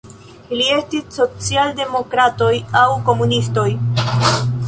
Ili estis socialdemokratoj aŭ komunistoj.